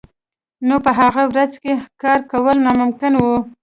نو په هغه ورځ هم کار کول ناممکن وو